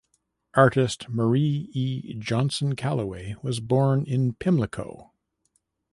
Artist Marie E. Johnson-Calloway was born in Pimlico.